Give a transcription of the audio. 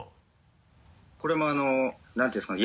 これも何て言うんですかね？